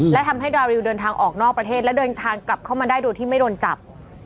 และทำให้ดาริวเดินทางออกนอกประเทศและเดินทางกลับเข้ามาได้โดยที่ไม่โดนจับ